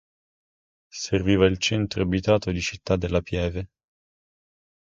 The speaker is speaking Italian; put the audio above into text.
Serviva il centro abitato di Città della Pieve.